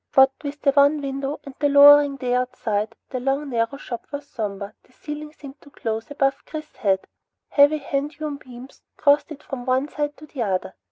What with the one window and the lowering day outside, the long narrow shop was somber. The ceiling seemed close above Chris's head. Heavy hand hewn beams crossed it from one side to the other.